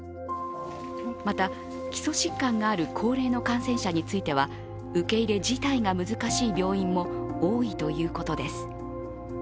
また基礎疾患がある高齢の感染者については受け入れ自体が難しい病院も多いということです。